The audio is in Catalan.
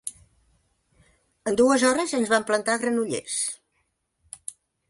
En dues hores ens vam plantar a Granollers.